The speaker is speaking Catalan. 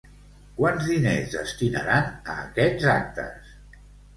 Quants diners destinaran a aquests actes?